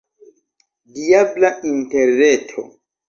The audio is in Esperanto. Diabla Interreto!